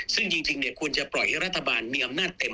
ซึ่งจริงควรจะปล่อยให้รัฐบาลมีอำนาจเต็ม